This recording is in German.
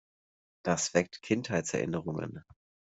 Das weckt Kindheitserinnerungen.